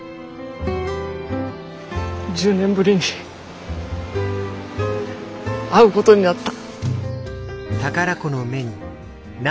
１０年ぶりに会うことになった。